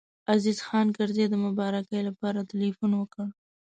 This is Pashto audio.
عزیز خان کرزی د مبارکۍ لپاره تیلفون وکړ.